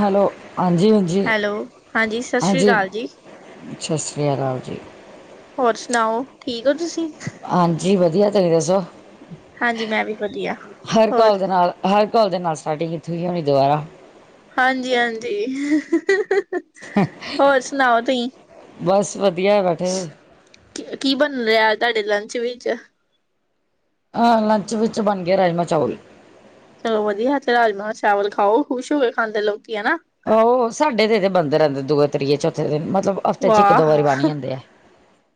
Hello, ਹਾਂਜੀ -ਹਾਂਜੀ- hello ਸਤਿ ਸ਼੍ਰੀ ਹਾਂਜੀ। ਅਕਾਲ ਜੀ। ਸਤਿ ਸ਼੍ਰੀ ਅਕਾਲ ਜੀ। ਹੋਰ ਸੁਣਾਓ, ਠੀਕ ਓ ਤੁਸੀਂ? ਹਾਂਜੀ ਵਧੀਆ ਤੁਸੀਂ ਦੱਸੋ? ਹਾਂਜੀ ਮੈਂ ਵੀ ਵਧੀਆ। ਹਰ ਹੋਰ ਕੌਲਜ ਨਾਲ ਹਰ ਕੌਲਜ ਨਾਲ ਸਾਡੀ ਕਿੱਥੇ ਕ ਹੋਈ ਦੁਬਾਰਾ। ਹਾਂਜੀ- ਹਾਂਜੀ। ਬਸ, ਵਧੀਆ ਬੇਟੇ। ਕੀ ਬਣ ਰਿਹਾ ਅੱਜ ਤੁਹਾਡੇ ਲੰਚ ਵਿੱਚ? ਅਹ ਲੰਚ ਵਿੱਚ ਬਣ ਗਿਆ, ਰਾਜ-ਮਾਹ ਚਾਵਲ। ਚਲੋ ਵਧੀਆ ਅੱਜ ਰਾਜ- ਮਾਹ ਚਾਵਲ ਖਾਓ। ਖੁਸ਼ ਹੋ ਕੇ ਖਾਂਦੇ ਲੋਕੀ ਹਨਾ। ਆਹੋ ਸਾਡੇ ਤੇ ਤਾ ਇੱਥੇ ਬਣਦੇ ਰਹਿੰਦੇ ਦੂਏ-ਤੀਏ- ਚੌਥੇ ਦਿਨ ਮਤਲਬ। ਹਫ਼ਤੇ 'ਚ ਇੱਕ ਦੋ ਵਾਹ! ਵਾਰੀ ਬਣ ਜਾਂਦੇ ਆ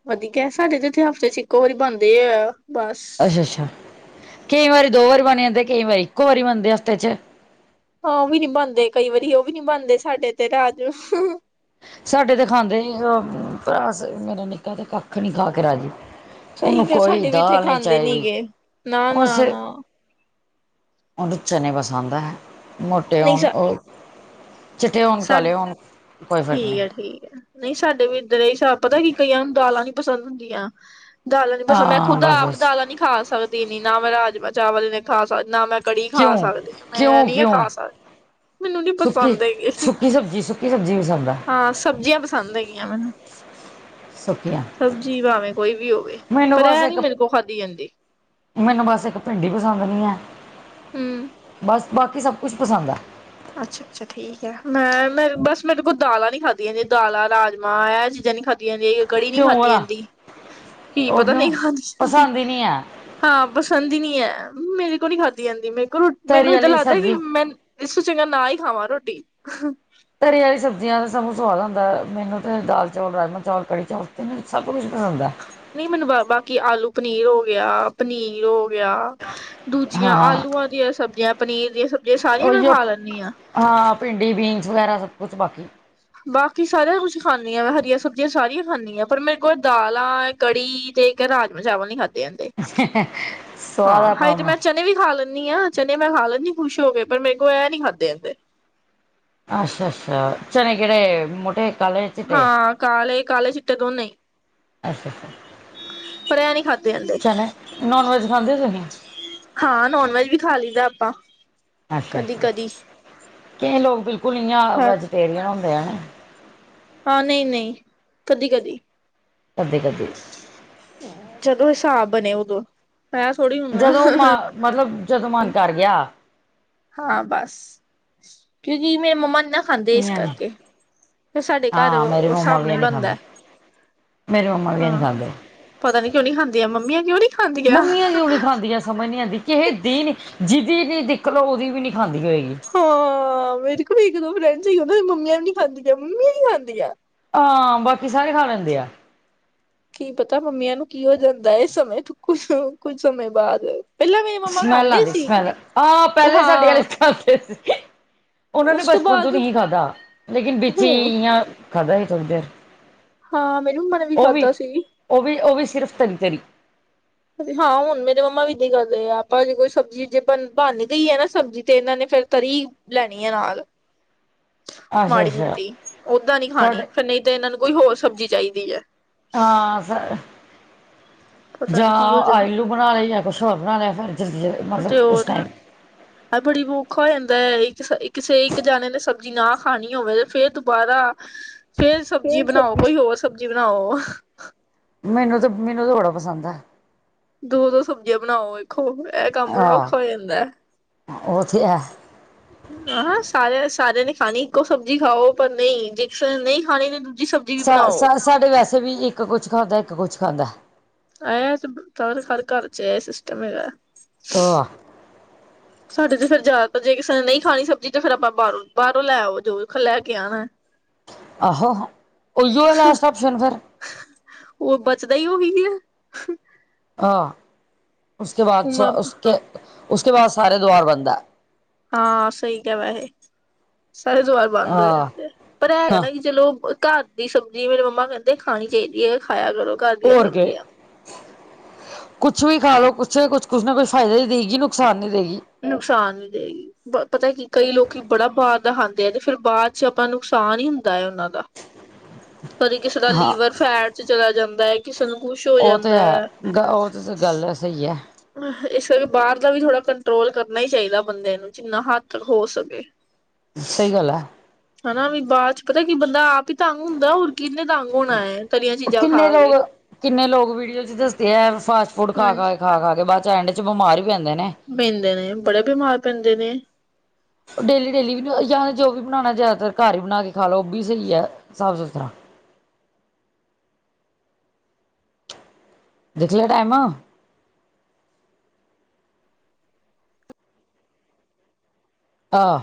ਵਧੀਆ ਸਾਡੇ ਤੇ ਇੱਥੇ ਹਫ਼ਤੇ 'ਚ ਇੱਕੋ ਵਾਰੀ ਬਣਦੇ ਆ ਬਸ। ਅੱਛਾ- ਅੱਛਾ ਕਈ ਵਾਰੀ ਦੋ ਵਾਰੀ ਬਣ ਜਾਂਦੇ ਕਈ ਵਾਰੀ ਇੱਕੋ ਵਾਰੀ ਬਣਦੇ ਆ ਹਫਤੇ 'ਚ ਉਹ ਵੀ ਨੀ ਬਣਦੇ ਕਈ ਵਾਰੀ ਉਹ ਵੀ ਨੀ ਬਣਦੇ ਸਾਡੇ ਤੇ ਰਾਜਮਾਹ ਸਾਡੇ ਤੇ ਖਾਂਦੇ ਨੀ ਉਹ ਮੇਰਾ ਨਿੱਕਾ ਤੇ ਕੱਖ ਨੀ ਖਾ ਕੇ ਰਾਜੀ। ਸਹੀ ਉਹਨੂੰ ਕਿਹਾ ਕੋਈ ਸਾਡੇ ਵੀ ਇੱਥੇ ਦਾਲ ਨੀ ਖਾਂਦੇ ਚਾਹੀਦੀ। ਗੇ। ਉਸੇ ਨਾ-ਨਾ-ਨਾ ਉਹਨੂੰ ਚਨੇ ਪਸੰਦ ਆ। ਮੋਟੇ ਨਹੀਂ ਹੋਣ ਸਾ ਉਹ ਚਿੱਠੇ ਹੋਣ ਸਾ ਕਾਲੇ ਹੋਣ। ਕੋਈ ਫ਼ਰਕ ਨਹੀਂ ਠੀਕ ਏ ਠੀਕ ਐ। ਨਹੀਂ ਸਾਡੇ ਵੀ ਇੱਧਰ ਇਹ ਸਾਬ ਪਤਾ ਕੀ ਕਈਆਂ ਨੂੰ ਦਾਲਾਂ ਨੀ ਪਸੰਦ ਹੁੰਦੀਆਂ। ਦਾਲਾਂ ਨੀ ਪਸੰਦ ਮੈਂ ਹਾਂ ਖੁਦ ਬਸ ਆਪ ਬਸ ਦਾਲਾਂ ਨੀ ਖਾ ਸਕਦੀ ਇਨੀ ਨਾ ਮੈਂ ਰਾਜ -ਮਾਂਹ ਚਾਵਲ ਖਾ ਸਕਦੀ। ਨਾ ਮੈਂ ਕੜੀ ਕਿਉਂ ਖਾ ਸਕਦੀ ਆਂ। ਮੈਂ ਕਿਉਂ ਨੀ ਆ ਕਿਉਂ ਖਾ ਸਕਦੀ ਮੈਨੂੰ ਨੀ ਪਸੰਦ ਹੈਗੇ। ਕੀ ਸਬਜੀ- ਸੁਬਜੀ ਕੀ ਸਬਜ਼ੀ ਪਸੰਦ ਆ। ਆਂ ਸਬਜ਼ੀਆਂ ਪਸੰਦ ਹੈਗੀਆ ਮੈਨੂੰ। ਸੁੱਕੀਆਂ ਸਬਜ਼ੀ ਭਾਵੇਂ ਕੋਈ ਵੀ ਹੋਵੇ। ਮੈਨੂੰ ਪਰ ਬਸ ਐੱ ਨੀ ਇੱਕ ਮੇਰੇ ਕੋਲ ਖਾਧੀ ਜਾਂਦੀ। ਮੈਨੂੰ ਬਸ ਇੱਕ ਭਿੰਡੀ ਪਸੰਦ ਨੀ ਐ। ਹੂੰ ਬਸ ਬਾਕੀ ਸਭ ਕੁਛ ਪਸੰਦ ਆਂ। ਅੱਛਾ - ਅੱਛਾ ਠੀਕ ਐ। ਮੈਂ ਬਸ ਮੇਰੇ ਕੋਲੋ ਦਾਲਾਂ ਨੀ ਖਾਧੀਆ ਜੇ ਦਾਲਾਂ ਰਾਜ - ਮਾਹ ਇਹ ਚੀਜ਼ਾਂ ਨੀ ਖਾਧੀਆਂ। ਯਨੀ ਕੜ੍ਹੀ ਨੀ ਕਿਉਂ ਖਾਦੀ ਵਾਲਾ ਜਾਂਦੀ, ਕੀ ਉਹ ਪਤਾ ਕਿਉਂ ਨਹੀ ਖਾਦੀ ਜਾਂਦੀ। ਪਸੰਦ ਹੀ ਨਹੀਂ ਹੈ ਹਾਂ ਪਸੰਦ ਈਂ ਨੀ ਐ। ਮੇਰੇ ਕੋਲ ਨੀ ਖਾਧੀ ਜਾਂਦੀ, ਮੇਰੇ ਕੋਲ ਤਰੀ ਮੈਨੂੰ ਏਦਾਂ ਵਾਲੀ ਲੱਗਦਾ ਕਿ ਸਬਜ਼ੀ ਮੈਂਨ ਚੰਗਾ ਨਾ ਈ ਖਾਵਾਂ ਰੋਟੀ। ਤਰੀ ਆਲੀਆਂ ਸਬਜ਼ੀਆਂ ਦਾ ਸਾਨੂੰ ਸਵਾਦ ਆਂਦਾ। ਮੈਨੂੰ ਤਾਂ ਦਾਲ ਚਾਵਲ, ਰਾਜ ਮਾਹ ਚਾਵਲ, ਕੜ੍ਹੀ ਚਾਵਲ, ਸਭ ਕੁਛ ਪਸੰਦ ਆ। ਨਹੀਂ ਮੈਨੂੰ ਬਾਕੀ ਆਲੂ ਪਨੀਰ ਹੋ ਗਿਆ, ਪਨੀਰ ਹੋ ਗਿਆ। ਵਿਆਹ ਦੂਜੀਆਂ ਹਾਂ ਆਲੂਆਂ ਦੀਆਂ ਸਬਜ਼ੀਆਂ ਪਨੀਰ ਦੀਆਂ ਸਬਜ਼ੀਆਂ ਸਾਰੀਆਂ ਮੈਂ ਉਹੀਓ ਖਾ ਲੈਨੀ ਆ। ਹਾਂ ਭਿੰਡੀ, ਬੀਨਸ ਵਗੈਰਾ ਸਭ ਕੁਛ ਬਾਕੀ। ਬਾਕੀ ਸਾਰਾ ਕੁਛ ਖਾਨੀ ਆ। ਮੈਂ ਹਰੀਆਂ ਸਬਜ਼ੀਆਂ ਸਾਰੀਆਂ ਖਾਨੀ ਆਂ। ਪਰ ਮੈਂ ਇੱਕ ਉਹ ਦਾਲਾਂ ਕੜੀ ਤੇ ਇੱਕ ਰਾਜਮਾਂਹ ਚਾਵਲ ਨੀ ਖਾਦੇ ਜਾਂਦੇ। ਸਵਾਦ ਆ ਹਾਂ ਆਪਣਾ ਹਜੇ ਤੇ ਆਪਣਾ ਮੈਂ ਚਟ ਚਨੇ ਵੀ ਖਾ ਲੈਂਣੀ ਆ। ਚਨੇ ਮੈਂ ਖਾ ਲੈਨੀ ਖੁਸ਼ ਹੋ ਕੇ ਪਰ ਮੇਰੇ ਕੋ ਐਂ ਨੀ ਖਾਧੇ ਜਾਂਦੇ। ਅੱਛਾ- ਅੱਛਾ ਚਣੇ ਕਿਹੜੇ ਮੋਟੇ ਕਾਲੇ ਚਿੱਟੇ ਹਾਂ ਕਾਲੇ ਕਾਲੇ- ਚਿੱਟੇ ਦੋਨੇ। ਅੱਛਾ- ਅੱਛਾ ਪਰ ਇਹ ਨਹੀਂ ਖਾਧੇ ਜਾਂਦੇ ਚਣੇ ਨੋਨ ਵੈਜ ਖਾਂਦੇ ਹੋ ਤੁਸੀਂ। ਹਾਂ ਨੋਨ ਵੈਜ ਵੀ ਖਾ ਲਈ ਦਾ ਆਪਾਂ। ਅੱਛਾ- ਕਦੀ ਅੱਛਾ ਕਦੀ ਕਈ ਲੋਕ ਬਿਲਕੁਲ ਨੀ ਆ ਹਾਂ ਵੈਜੀਟੇਰੀਅਨ ਹੁੰਦੇ ਆ ਨਾ। ਹਾਂ ਨਹੀਂ- ਨਹੀਂ ਕਦੀ- ਕਦੀ। ਕਦੀ- ਕਦੀ। ਜਦੋਂ ਹਿਸਾਬ ਬਣੇ ਉਦੋਂ। ਪੈ ਥੋੜੀ ਜਦੋਂ ਮ ਮਤਲਬ ਜਦੋਂ ਮਨ ਕਰ ਗਿਆ। ਹਾਂ ਬਸ ਕਿਉਂਕਿ ਮੇਰੀ ਮੰਮਾ ਨੀ ਨਾਂ ਖਾਂਦੇ ਇਸ ਇਆਂ ਨੇ ਕਰਕੇ ਫਿਰ ਸਾਡੇ ਘਰ ਹਾਂ ਮੇਰੀ ਉਸ ਹਿਸਾਬ ਨਾਲ ਈ ਬਣਦਾ। ਮੇਰੇ ਮੰਮਾ ਵੀ ਨੀ ਹਾਂ ਖਾਂਦੇ। ਪਤਾ ਨੀ ਕਿਉਂ ਨਹੀਂ ਖਾਂਦੀਆਂ ਆ ਮੰਮੀਆਂ ਕਿਉਂ ਨੀਂ ਮੰਮੀਆਂ ਕਿਉਂ ਨੀਂ ਦੀ ਖਾਂਦੀਆਂ ਸਮਝ ਨਹੀਂ ਆਂਦੀ ਕਿਸੇ ਦੀ ਨੀ ਜਿਹਦੀ ਨੀ ਦੇਖ ਲਓ ਉਹਦੀ ਵੀ ਨੀ ਖਾਂਦੀ ਹੋਏਗੀ। ਹਾਂ, ਮੇਰੇ ਕੋਲ ਇੱਕ ਦੋ ਫਰੈਂਡ ਸੀਦਾ ਮੰਮੀਆਂ ਵੀ ਨੀ ਖਾਂਦੀਆਂ, ਮੰਮੀਆਂ ਹੀ ਖਾਂਦੀਆਂ ਆਹ, ਬਾਕੀ ਸਾਰੇ ਖਾ ਲੈਂਦੇ ਆ ਕੀ ਪਤਾ ਮੰਮੀਆਂ ਨੂੰ ਕੀ ਹੋ ਜਾਂਦਾ ਏ ਸਮੇਂ ਤੋਂ ਕੁਛ ਕੁੱਝ ਸਮੇਂ ਬਾਅਦ ਪਹਿਲਾਂ ਮੇਰੇ ਮੰਮਾ ਸਮੈਲ, ਖਾਂਦੇ ਆਦੀ ਸੀ ਸਮੈਲ, ਆਹ ਉਹ ਪਹਿਲੇ ਸਾਡੇ ਆਲੇ ਹਾਂ ਖਾਂਦੇ ਸੀ। ਉਹਨਾਂ ਨੇ ਉਸ ਬਚਪਨ ਤੋਂ ਬਾਅਦ ਨਹੀਂ ਖਾਧਾ, ਲੇਕਿਨ ਵਿੱਚ ਹੁਣ ਹੀਆ ਖਾਦਾ ਸੀ ਥੋੜੀ ਦੇਰ ਹਾਂ, ਮੇਰੀ ਮੰਮਾ ਨੇ ਵੀ ਖਾਧਾ ਸੀ। ਉਹ ਵੀ, ਉਹ ਵੀ ਸਿਰਫ ਤਰੀ-ਤਰੀ ਹਾਂ ਹੁਣ ਮੇਰੇ ਮੰਮਾ ਵੀ ਇਦਾਂ ਕਰਦੇ ਆ ਆਪਾਂ ਜੇ ਕੋਈ ਸਬਜ਼ੀ ਜੇ ਬਣ ਗਈਏ ਸਬਜ਼ੀ ਤੇ ਇਹਨਾਂ ਨੇ ਫਿਰ ਤਰੀ ਲੈਣੀ ਐ ਨਾਲ ਅੱਛਾ ਅੱਛਾ ਮਾੜੀ-ਮੋਟੀ, ਓਦਾਂ ਨੀ ਖਾਣੀ ਸਾਡੇ ਫਿਰ, ਨਹੀਂ ਤੇ ਇਹਨਾਂ ਨੂੰ ਕੋਈ ਹੋਰ ਸਬਜ਼ੀ ਚਾਹੀਦੀ ਏ ਹਾਂ ਫਿਰ। ਪਤਾ ਜਾਂ ਨੀ ਕੀ ਹੋ ਜਾਂਦਾ ਆਲੂ ਬਣਾ ਲਏ ਜਾਂ ਕੁਛ ਹੋਰ ਬਣਾ ਲਿਆ ਫਿਰ ਜ਼ਲਦੀ- ਜਲਦੀ ਮਤਲਬ ਉਸ ਟਾਈਮ ਹੈ, ਬੜੀ ਔਖਾ ਹੋ ਜਾਂਦਾ ਇਕ-ਇਕ ਕਿਸੇ ਇੱਕ ਜਾਣੇ ਨੇ ਸਬਜ਼ੀ ਨਾ ਖਾਣੀ ਹੋਵੇ ਤੇ ਫੇਰ ਦੁਬਾਰਾ ਫੇਰ ਸਬਜ਼ੀ ਬਣਾਓ, ਕੋਈ ਹੋਰ ਸਬਜ਼ੀ ਬਣਾਓ। ਮੈਨੂੰ ਤੇ, ਮੈਨੂੰ ਤੇ ਬੜਾ ਪਸੰਦ ਆ ਦੋ-ਦੋ ਸਬਜ਼ੀਆਂ ਬਣਾਓ, ਵੇਖੋ ਇਹ ਕੰਮ ਬੜਾ ਔਖਾ ਜਾਂਦਾ। ਉਹਥੀ ਐ ' [inaudible] ਆਹਾਂ, ਸਾਰੇ ਸਾਰਿਆਂ ਨੇ ਖਾਣੀ ਇੱਕੋ ਸਬਜ਼ੀ ਖਾਓ, ਪਰ ਨਹੀਂ ਜੇ ਨਹੀਂ ਖਾਣੀ ਦੂਜੀ ਸਬਜ਼ੀ ਵੀ ਬਣਾਓ ਸ਼-ਸ਼ ਸਾਡੇ ਵੈਸੇ ਵੀ ਇੱਕ ਕੁਛ ਖਾਂਦਾ, ਇੱਕ ਕੁਛ ਖਾਂਦਾ। ਆ ਤੇ ਸ ਹਰ ਘਰ 'ਚ' ਇਹ ਸਿਸਟਮ ਹੈਗਾ। ਓਆ ਸਾਡੇ 'ਚ' ਫੇਰ ਜ਼ਿਆਦਾਤਰ ਜੇ ਕਿਸੇ ਨੇ ਨਹੀਂ ਖਾਣੀ ਸਬਜ਼ੀ ਤਾਂ ਫੇਰ ਆਪਾਂ ਬਾਹਰੋਂ ਬਾਹਰੋਂ ਲੈ ਆਓ ਜੋ ਲੈ ਕੇ ਆਣਾ।' ' [inaudible] ਆਹੋ, ਉਹੀਓ ਐ ਲਾਸਟ ਆਪਸ਼ਨ ਫਿਰ ਉਹ ਬਚਦਾ ਹੀ ਉਹੀ ਐ ਹਾਂ, ਉਸਕੇ ਬਾਅਦ ਸ ਉਮਾ ਉਸ ਉਸਕੇ ਬਾਅਦ ਸਾਰੇ ਦੀਵਾਰ ਬੰਦਾ ਆ ਹਾਂ ਸਹੀ ਕਿਹਾ ਵੈਸੇ ਸਾਰੇ ਦੀਵਾਰ ਬੰਦ ਹੋ ਜਾਂਦੇ ਆ ਪਰ ਇਹ ਹੈਗਾ ਨਾ ਕਿ ਚਲੋ, ਘਰ ਦੀ ਸਬਜ਼ੀ ਮੇਰੇ ਮੰਮਾ ਕਹਿੰਦੇ ਖਾਣੀ ਚਾਹੀਦੀ ਹੈ ਖਾਇਆ ਕਰੋ। ਘਰ ਦੀਆਂ ਔਰ ਕੇ ਸਬਜ਼ੀਆਂ। ਕੁਛ ਵੀ ਖਾ ਲਓ, ਕੁਛ-ਕੁਛ ਨੇ ਕੁਛ ਫਾਇਦਾ ਹੀਂ ਦੇਗੀ, ਨੁਕਸਾਨ ਨਹੀਂ ਦੇਗੀ। ਨੁਕਸਾਨ ਨੀ ਦੇਗੀ। ਪਤਾ ਕੀ ਕਈ ਲੋਕੀ ਬੜਾ ਬਾਹਰ ਦਾ ਖਾਂਦੇ ਆ, ਤੇ ਫਿਰ ਬਾਅਦ 'ਚ' ਆਪਾਂ ਨੁਕਸਾਨ ਹੀ ਹੁੰਦਾ ਹੈ। ਉਹਨਾਂ ਦਾ ਕਦੇ ਕਿਸੇ ਦਾ ਹਾਂ ਲੀਵਰ ਫੈਟ 'ਚ' ਚਲਾ ਜਾਂਦਾ ਐ। ਕਿਸੇ ਨੂੰ ਕੁਛ ਹੋ ਉਹ ਤੇ ਜਾਂਦਾ ਹੈ, ਗ ਉਹ ਤੇ ਗੱਲ ਸਹੀ ਐ। ਇਸ ਕਰਕੇ ਬਾਹਰ ਦਾ ਵੀ ਥੋੜਾ ਕੰਟਰੋਲ ਕਰਨਾ ਹੀ ਚਾਹੀਦਾ ਬੰਦੇ ਨੂੰ। ਜਿੰਨਾ ਹੱਥ ਹੋ ਸਕੇ। ਸਹੀ ਗੱਲ ਐ। ਹਨਾ ਵੀ, ਬਾਅਦ 'ਚ' ਪਤਾ ਕੀ ਬੰਦਾ ਆਪ ਹੀ ਤੰਗ ਹੁੰਦਾ ਹੋਰ ਕਿਹਨੇ ਤੰਗ ਹੋਣਾ ਐ, ਤਲੀਆਂ ਚੀਜ਼ਾਂ ਖਾ ਕਿੰਨੇ ਕੇ। ਲੋਕ ਕਿੰਨੇ ਲੋਕ ਵੀਡੀਓ 'ਚ' ਦੱਸਦੇ ਐ। ਫਾਸਟ ਫੂਡ ਖਾ-ਖ ਹਾਂਜੀ ਕੇ ਖਾ-ਖਾ ਕੇ ਬਾਅਦ 'ਚ' ਐਂਡ 'ਚ' ਬਿਮਾਰ ਹੀ ਪੈਂਦੇ ਨੇ। ਪੈਂਦੇ ਨੇ ਬੜੇ ਬਿਮਾਰ ਪੈਂਦੇ ਨੇ। ਉਹ ਡੇਲੀ-ਡੇਲੀ ਵੀ ਜਾਂ ਜੋ ਬਣਾਣਾ ਜ਼ਿਆਦਾਤਰ ਘਰ ਹੀ ਬਣਾ ਕੇ ਖਾ ਲਓ। ਉਹ ਵੀ ਸਹੀ ਹੈ ਸਾਫ਼-ਸੁਥਰਾ। ਦੇਖ ਲਿਆ ਟਾਈਮ। ਆਹ,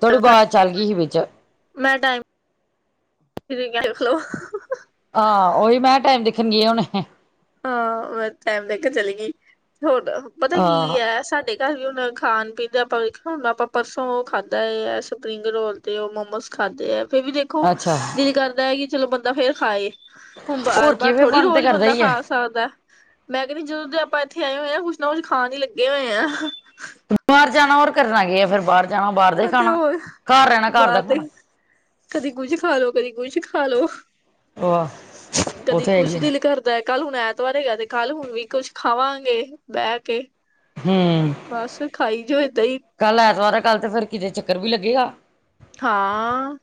ਥੋੜੀ ਆਵਾਜ਼ ਚੱਲ ਗਈ ਸੀ ਵਿੱਚ। ਮੈਂ ਟਾਈਮ [inaudible] ਦੇਖਲੋ। ਆ, ਓਹੀ ਮੈਂ ਟਾਈਮ ਦਿਖਣ ਗੀਆ ਹੁਣੇ। ਹਾਂ। ਮੈਂ ਟਾਈਮ ਦੇਖਣ ਚਲੀ ਗਈ, ਹੁਣ ਪਤਾ ਕੀ ਹਾਂ ਐ ਸਾਡੇ। ਤਾਹੀਓਂ ਹੁਣ ਖਾਣ-ਪੀਣ ਦਾ ਆਪਾਂ ਵੇਖਣਾ ਹੁੰਦਾ ਏ ਆਪਾਂ ਪਰਸੋਂ ਉਹ ਖਾਧਾ ਇਹ ਸਪਰਿੰਗ ਰੋਲ। ਤੇ ਉਹ ਮੋਮੋਸ ਖਾਦੇ ਆ ਫੇਰ ਵੀ ਦੇਖੋ ਅੱਛਾ ਦਿਲ ਕਰਦਾ ਹੈ, ਕਿ ਚਲੋ ਬੰਦਾ ਫੇਰ ਖਾਏ। ਹੁਣ ਬਾਰ- ਹੋਰ ਕੀ ਬਾਰ ਫਿਰ ਥੋੜ੍ਹੀ ਮਨ ਤੇ ਰੋਜ਼ ਕਰਦਾ ਬੰਦਾ ਹੀ ਹੈ ਖਾਸ ਸਕ ਸਕਦਾ, ਮੈਂ ਕਹਿੰਦੀ ਜਦੋਂ ਦੇ ਆਪਾਂ ਇੱਥੇ ਆਏ ਹੋਏ ਕੁੱਛ ਨਾ ਕੁੱਛ ਖਾਣ ਹੀ ਲੱਗੇ ਹੋਏ ਆ। ਬਾਹਰ ਜਾਣਾ ਹੋਰ ਕਰਨਾ ਕੀ ਆ ਫਿਰ ਬਾਹਰ ਜਾਣਾ ਬਾਹਰ ਦਾ ਹੀ ਤੇ ਖਾਣਾ, ਹੋਰ ਘਰ ਰਹਿਣਾ ਘਰ ਦਾ ਬਾਹਰ ਦੇ ਖਾਣਾ। ਕਦੀ ਕੁਝ ਖਾ ਲੋ ਕਦੀ ਕੁਛ ਖਾ ਲੋ। ਵਾਹ ਉਹ ਕਦੀ ਤੇ ਹੈ ਕੁਛ ਹੀ ਹੈ ਦਿਲ ਕਰ ਕੱਲ ਹੁਣ ਐਤਵਾਰ ਹੈਗਾ ਤੇ ਕੱਲ ਹੁਣ ਵੀ ਕੁਝ ਖਾਵਾਂਗੇ ਬਹਿ ਕੇ। ਬਸ ਖਾਈ ਜਾਓ ਏਦਾਂ ਹੀ। ਕੱਲ੍ਹ ਐਤਵਾਰ ਕੱਲ ਤੇ ਫਿਰ ਕਿਤੇ ਚੱਕਰ ਵੀ ਲੱਗੇਗਾ। ਹਾਂ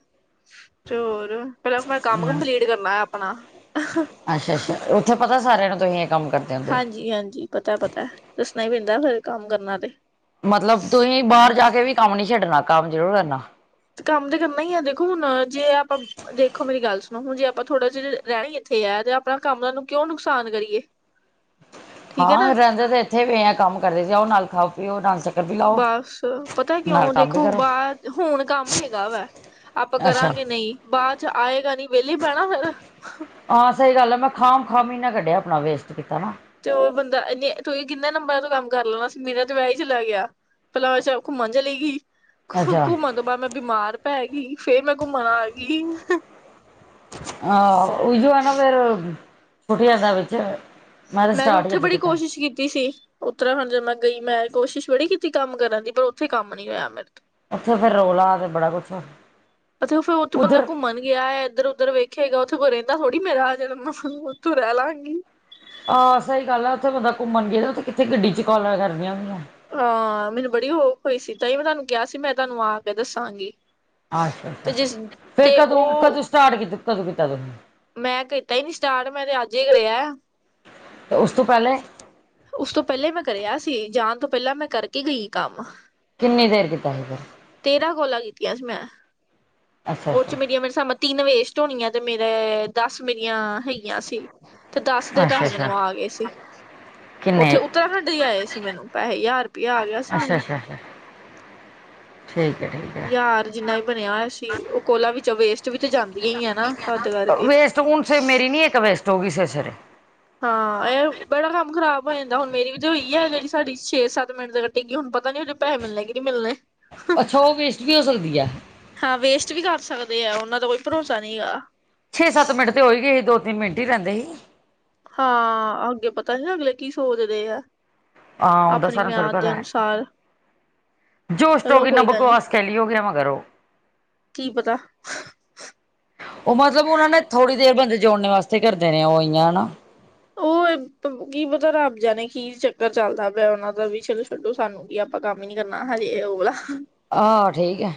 ਚੋਰ। ਪਹਿਲਾ ਮੈਂ ਕੰਮ ਕੰਪਲੀਟ ਕਰਨਾ ਆਪਣਾ। ਅੱਛਾ ਅੱਛਾ ਉੱਥੇ ਪਤਾ ਸਾਰਿਆਂ ਨੂੰ ਤੁਂਹੀ ਇਹ ਕੰਮ ਕਰਨਾ। ਹਾਂਜੀ-ਹਾਂਜੀ ਪਤਾ- ਪਤਾ ਦੱਸਣਾ ਹੀ ਪੈਦਾ ਫਿਰ ਕੰਮ ਕਰਨਾ ਤੇ। ਮਤਲਬ ਤੁਸੀਂ ਬਾਹਰ ਜਾ ਕੇ ਵੀ ਕੰਮ ਨੀ ਛੱਡਣਾ ਕੰਮ ਜ਼ਰੂਰ ਕਰਨਾ। ਕੰਮ ਤੇ ਕਰਨਾ ਹੀ ਐ। ਦੇਖੋ ਹੁਣ ਜੇ ਆਪਾਂ। ਦੇਖੋ ਮੇਰੀ ਗੱਲ ਸੁਣੋ। ਹੁ ਜੇ ਆਪਾਂ ਥੋੜ੍ਹਾ ਜਿਹਾ ਰਹਿਣਾ ਹੀ ਇੱਥੇ ਆ ਤੇ ਆਪਣਾ ਕੰਮ ਉਹ ਨੂੰ ਕਿਉਂ ਨੁਕਸਾਨ ਕਰੀਏ। [inaudible] ਹਾਂ ਰਹਿੰਦੇ ਤਾਂ ਇੱਥੇ ਵੀ ਆ ਕੰਮ ਕਰਦੇ ਸੀ। ਉਹ ਨਾਲ ਖਾ ਪੀਓ, ਨਾਲ ਵੀ ਲਾਓ ਬਸ ਪਤਾ ਨਾਲ ਕਿਉਂ ਕੰਮ ਵੀ ਦੇਖੋ ਕਰੋ ਬਾਹਰ ਹੁਣ ਕੰਮ ਹੈਗਾ ਵਾ। ਆਪਾਂ ਅੱਛਾ ਕਰਾਂਗੇ ਨਹੀਂ ਬਾਅਦ ਚ ਆਏਗਾ ਨਹੀਂ ਵਿਹਲੇ ਬਹਿਣਾ ਫਿਰ। ਹਾਂ ਸਹੀ ਗੱਲ ਆ ਮੈਂ ਖਾਮ-ਖਾਮ ਮਹੀਨਾ ਕੱਢਿਆ ਆਪਣਾ ਵੇਸਟ ਕੀਤਾ ਨਾ। ਚੋਰ ਬੰਦਾ ਇਨੇ ਤੁਸੀਂ ਕਿੰਨੇ ਨੰਬਰਾਂ ਤੋਂ ਕੰਮ ਕਰ ਲੈਣਾ ਸੀ। ਮੇਰਾ ਤੇ ਵਿਆਹ ਹੀ ਚਲਾ ਗਿਆ। ਪਲਾ ਚ ਘੁੰਮਣ ਚਲੀ ਗਈ। ਅੱਛਾ ਘੁੰਮਣ ਤੋਂ ਬਾਅਦ। ਮੈਂ ਬਿਮਾਰ ਪੈ ਗਈ ਫੇਰ ਮੈਂ ਘੁੰਮਣ ਆ ਗਈ। ਆਹ ਉਹੀਏ ਨਾ ਫੇਰ ਛੁੱਟ ਜਾਂਦਾ ਵਿੱਚ। ਤਾਂ ਮੈਂ ਤੇ ਸਟਾਰਟ ਹੀ ਉੱਥੇ ਅੱਜ ਬੜੀ ਕੀਤਾ ਕੋਸ਼ਿਸ਼ ਕੀਤੀ ਸੀ। ਉੱਤਰਾ ਖੰਡ ਜੇ ਮੈਂ ਗਈ ਮੈਂ ਕੋਸ਼ਿਸ਼ ਬੜੀ ਕੀਤੀ ਕੰਮ ਕਰਨ ਦੀ ਪਰ ਉੱਥੇ ਕੰਮ ਨੀ ਹੋਇਆ ਮੇਰੇ ਤੋਂ। ਉੱਥੇ ਫਿਰ ਰੌਲਾ ਤੇ ਬੜਾ ਕੁਛ ਹੋਣਾ। ਪਤਾ ਫਿਰ ਉੱਥੇ ਬੰਦਾ ਘੁੰਮਣ ਗਿਆ ਐ ਇੱਧਰ-ਉੱਧਰ ਵੇਖ। ਵੇਖੇਗਾ ਉੱਥੇ ਕੋਈ ਰਹਿੰਦਾ ਥੋੜੀ ਮੇਰਾ ਆਜ ਮੈਂੱਥੋਂ ਰਹਿ ਲਾ ਗੀ। ਆਹ ਸਹੀ ਗੱਲ ਹੈ ਉੱਥੇ ਬੰਦਾ ਘੁੰਮਣ ਗਿਆ ਉੱਥੇ ਕਿੱਥੇ ਗੱਡੀ ਚ ਕਾਲਾਂ ਕਰਦੀਆਂ ਗਈਆਂ ਆ। ਹਾਂ ਮੈਨੂੰ ਬੜੀ ਹੋ ਔਖ ਹੋਈ ਸੀ ਤਾਂਹੀ ਮੈਂ ਤੁਹਾਨੂੰ ਕਿਹਾ ਸੀ। ਮੈਂ ਤੁਹਾਨੂੰ ਆ ਕੇ ਦੱਸਾਂਗੀ। ਤੇ ਅੱਛਾ, ਜਿਸ ਫਿਰ ਤੇ ਕਦੋਂ-ਕਦੋਂ ਉਹ ਸਟਾਰਟ ਕੀਤਾ ਕਦੋਂ, ਕੀਤਾ ਤੁਸੀਂ। ਮੈਂ ਕੀਤਾ ਹੀ ਨੀ ਸਟਾਰਟ ਮੈਂ ਤੇ ਅੱਜ ਕਰ ਰਿਆ। ਉਸ ਤੋਂ ਪਹਿਲਾਂ ਉਸ ਤੋਂ ਪਹਿਲੇ ਮੈਂ ਕਰਿਆ ਸੀ, ਜਾਣ ਤੋਂ ਪਹਿਲਾਂ ਮੈਂ ਕਰਕੇ ਗਈ ਕੰਮ। ਕਿੰਨੀ ਦੇਰ ਕੀਤਾ ਸੀ। ਫਿਰ ਤੇਰਾਂ ਕੋਲਾਂ ਕੀਤੀਆਂ ਸੀ ਮੈਂ, ਅੱਛਾ ਉਹ ਅੱਛਾ ਚ ਮੇਰੀਆਂ ਮੇਰੇ ਹਿਸਾ ਤਿੰਨ ਵੇਸਟ ਹੋਣੀਆਂ ਤੇ ਮੇਰੇ ਦਸ ਮੇਰੀਆਂ ਹੈਗੀਆ ਸੀ, ਤੇ ਦੱਸ ਦੇ ਅੱਛਾ ਪੈਸੇ ਅੱਛਾ ਮੈਨੂੰ ਆ ਗਏ ਸੀ। ਕਿੰਨੇ ਉੱਥੇ ਉਤਰਾਖੰਡ ਹੀ ਆਏ ਸੀ ਮੈਨੂੰ ਪੈਸੇ ਹਜ਼ਾਰ ਵੀ ਆ ਗਿਆ ਸੀ ਅੱਛਾ ਮੈਨੂੰ [inaudible] ਅੱਛਾ ਅੱਛਾ ਠੀਕ ਹੈ ਠੀਕ ਹੈ ਹਜ਼ਾਰ ਜਿੰਨਾ ਵੀ ਬਣਿਆ ਹੋਇਆ ਸੀ ਉਹ ਕੋਲਾ ਵਿੱਚੋਂ ਵੈਸਟ ਵੀ ਤਾਂ ਜਾਂਦੀਆਂ ਹੀ ਹੈ ਨਾ। ਤਦ ਕਰਕੇ ਵੈਸਟ ਹੁਣ ਸ ਮੇਰੀ ਨੀ ਇੱਕ ਵੈਸਟ ਹੋ ਗਈ ਸਵੇਰੇ- ਸਵੇਰੇ। ਹਾਂ ਇਹ ਬੜਾ ਕੰਮ ਖਰਾਬ ਹੋ ਜਾਂਦਾ ਹੁਣ ਮੇਰੀ ਵੀ ਤੇ ਹੋਈ ਐ। ਜਿਹੜੀ ਸਾਡੀ ਛੇ- ਸੱਤ ਮਿੰਟ ਦੇ ਇਹ ਕੀ ਹੁਣ ਪਤਾ ਨੀ ਉਹਦੇ ਪੈੇਸੇ ਮਿਲਣੇ ਆ ਕਿ ਨਹੀਂ ਮਿਲਣੇ। ਅੱਛਾ ਉਹ ਵੇਸਟ ਵੀ ਹੋ ਸਕਦੀ ਐ। ਹਾਂ ਵੇਸਟ ਵੀ ਕਰ ਸਕਦੇ ਆ। ਉਹਨਾਂ ਦਾ ਕੋਈ ਭਰੋਸਾ ਨਹੀਂ ਹੈਗਾ। ਛੇ- ਸੱਤ ਮਿੰਟ ਤਾਂ ਹੋ ਹੀ ਗਏ ਸੀ ਦੋ- ਤਿੰਨ ਮਿੰਟ ਹੀ ਰਹਿੰਦੇ ਸੀ। ਹਾਂ ਅੱਗੇ ਪਤਾ ਨੀ ਅਗਲੇ ਕੀ ਸੋਚਦੇ ਆ। ਹਾਂ ਉਹਦਾ ਆਪਣੀ ਸਾਰਿਆਂ ਨੂੰ ਮਿਆਦ ਥੋੜ੍ਹਾ ਦੇ ਪਤਾ ਅਨੁਸਾਰ ਐ। ਜੋਸ਼ ਤੋ ਹੋ ਚਲੋ ਕੇ ਇਨਾ ਕੋਈ ਗੱਲ ਨੀ ਬਕਵਾਸ ਕੱਲੀ ਓ ਹੋ ਗੇਮ ਕਰੋ। ਕੀ ਪਤਾ। ਉਹ ਮਤਲਬ ਉਹਨਾਂ ਨੇ ਥੋੜ੍ਹੀ ਦੇਰ ਬੰਦੇ ਜੋੜਨ ਵਾਸਤੇ ਕਰਦੇ ਨੇ। ਉਹ ਐਇਆ ਨਾ। ਉਹ ਇਹ ਕੀ ਪਤਾ ਰੱਬ ਜਾਣੇ ਕੀ ਚੱਕਰ ਚੱਲਦਾ ਪਿਆ ਉਹਨਾਂ ਦਾ ਵੀ ਚਲੋ। ਛੱਡੋ ਸਾਨੂੰ ਕੀ ਆਪਾਂ ਕੰਮ ਹੀ ਨੀ ਕਰਨਾ ਹਜੇ ਉਹ ਵਾਹਲਾ। ਆਹ ਠੀਕ ਆ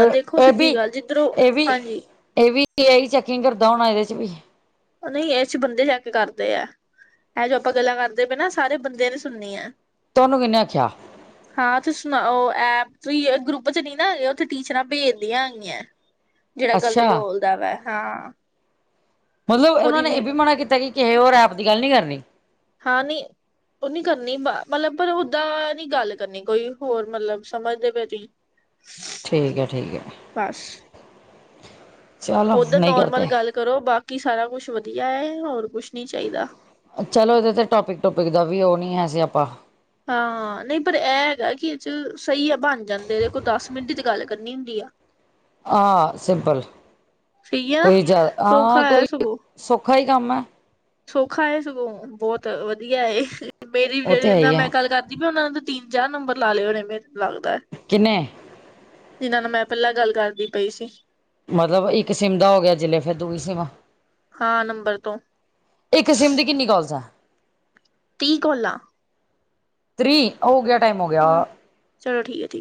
ਐ ਦੇਖੋ ਇਹ ਵੀ ਸਿੱਧੀ ਗੱਲ ਜਿੱਧਰੋਂ -ਇਹ ਵੀ ਹਾਂਜੀ ਇਹ ਵੀ ਏ ਆਈ ਚੈਕਿੰਗ ਕਰਦਾ ਹੋਣਾ ਇਹਦੇ 'ਚ ਵੀ ਨਹੀਂ ਇਸ 'ਚ ਬੰਦੇ ਚੈਕ ਕਰਦੇ ਆ। ਇਹ ਜੋ ਆਪਾਂ ਗੱਲਾਂ ਕਰਦੇ ਪਏ ਨਾ। ਸਾਰੇ ਬੰਦਿਆਂ ਨੇ ਸੁਣਨੀ ਆ। ਤੁਹਾਨੂੰ ਕਿੰਨੇ ਆਖਿਆ? ਹਾਂ ਤੁਸੀਂ ਸੁਣਾਓ ਐਪ 'ਚ ਈ ਆ ਗਰੁੱਪ 'ਚ ਨਹੀਂ ਨਾ। ਉੱਥੇ ਟੀਚਰਾਂ ਭੇਜਦੀਆਂ ਹੈਗੀਆਂ। ਜਿਹੜਾ ਗ਼ਲਤ ਅੱਛਾ ਬੋਲਦਾ ਵਾ ਹਾਂ। ਮਤਲਬ ਉਹਨਾਂ ਨੇ ਇਹ ਵੀ ਮਨਾ ਕੀਤਾ ਕਿ ਕਿਸੇ ਹੋਰ ਐਪ ਦੀ ਗੱਲ ਨਹੀ ਕਰਨੀ। ਹਾਂ ਨੀ ਉਹ ਨੀ ਕਰਨੀ ਮਤਲਬ ਪਰ ਓਦਾਂ ਨੀ ਗੱਲ ਕਰਨੀ ਕੋਈ ਹੋਰ ਮਤਲਬ ਸਮਝਦੇ ਪਏ ਤੁਸੀਂ। ਠੀਕ ਐ ਠੀਕ ਐ। ਬੱਸ ਚਲੋ ਉੱਧਰ ਨਹੀਂ ਨੋਰਮਲ ਕਰਦੇ ਗੱਲ ਕਰੋ ਬਾਕੀ ਸਾਰਾ ਕੁਛ ਵਧੀਆ ਐ। ਹੋਰ ਕੁਛ ਨੀ ਚਾਹੀਦਾ। ਚਲੋ ਇਹਦੇ 'ਤੇ ਟੋਪਿਕ ਟੋਪਿਕ ਦਾ ਵੀ ਉਹ ਨਹੀਂ ਹੈ ਸੀਆਪਾਂ। ਹਾਂ ਨਹੀਂ ਪਰ ਇਹ ਹੈਗਾ ਕਿ ਇਹ 'ਚ ਸਹੀ ਆ ਬਣ ਜਾਂਦੇ ਦੇਖੋ ਦਸ ਮਿੰਟ ਤੇ ਗੱਲ ਕਰਨੀ ਹੁੰਦੀ ਆ। [inaudible] ਆ ਸਿੰਪਲ, ਸਹੀ ਆ ਕੋਈ ਜ਼ਿਆਦਾ ਆ ਸੌਖਾ ਹੈ ਕੋਈ ਸਗੋਂ ਸੌਖਾ ਹੀ ਕੰਮ ਐ। ਸੌਖਾ ਏ ਸਗੋਂ ਬਹੁਤ ਵਧੀਆ ਏ ਮੇਰੀ ਵੀ ਉਹ ਤੇ ਹੈ ਜਿਹੜੀ ਹੀ ਮੈਂ ਆ ਗੱਲ ਕਰਦੀ ਪਈ ਆ। ਉਹਨਾਂ ਟੀਮ 'ਚ ਆ ਨੰਬਰ ਲਾ ਲਏਓ ਰੇਮੇ ਮੈਨੂੰ ਲੱਗਦਾ। ਕਿੰਨੇ ਜਿਨਾਂ ਨਾਲ ਮੈਂ ਪਹਿਲਾਂ ਗੱਲ ਕਰਦੀ ਪਈ ਸੀ। ਮਤਲਬ ਇੱਕ ਸਿੰਮ ਦਾ ਹੋ ਗਿਆ ਚਲੇ। ਫਿਰ ਦੂਈ ਸਿਮ ਹਾ ਨੰਬਰ ਤੋਂ। ਇੱਕ ਸਿਮ ਦੀ ਕਿੰਨੀ ਕੋਲਸ ਆ। ਤੀਹ ਕੌਲਾਂ। ਥ੍ਰੀ ਹੋ ਗਿਆ ਟਾਈਮ ਹੋਗਿਆ। ਹਾਂ ਚਲੋ ਠੀਕ ਆ ਠੀਕ ਆ।